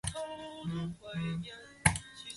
祖父陈启。